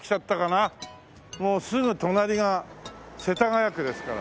もうすぐ隣が世田谷区ですから。